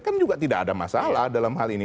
kan juga tidak ada masalah dalam hal ini